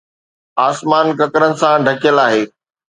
آسمان ڪڪرن سان ڍڪيل آهي